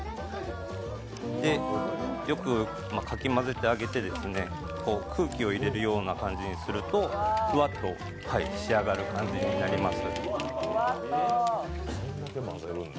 よくかき混ぜてあげて空気を入れるような感じにするとふわっと仕上がる感じになります。